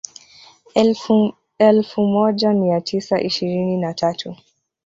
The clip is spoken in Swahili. Elfu elfu moja mia tisa ishirini na tatu